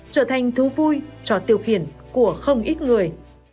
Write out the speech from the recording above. trở thành thú vui cho tiêu khiển của không ít người